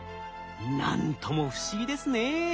何とも不思議ですね。